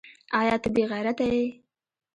ایا ته بې غیرته یې ؟